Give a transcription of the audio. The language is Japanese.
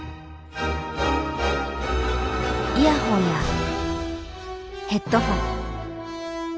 イヤホンやヘッドホン。